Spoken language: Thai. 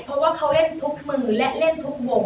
เพราะว่าเขาเล่นทุกมือและเล่นทุกวง